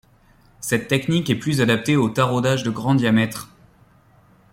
Cette technique est plus adaptée aux taraudages de grands diamètres.